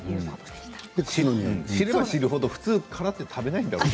知れば知るほど殻って食べないんだね。